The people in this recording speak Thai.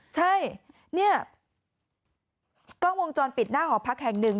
ใช่เนี่ยกล้องวงจรปิดหน้าหอพักแห่งหนึ่ง